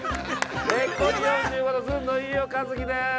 ぺっこり４５度ずんの飯尾和樹です！